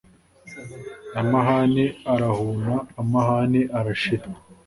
amahane arahuna: amahane arashira